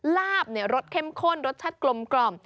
ลาบรสเค็มข้นรสชัดกลมกล่อม